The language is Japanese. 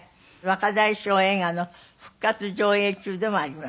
『若大将』映画の復活上映中でもあります。